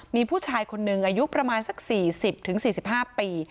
มีผู้ชายคนหนึ่งอายุประมาณสักสี่สิบถึงสี่สิบห้าปี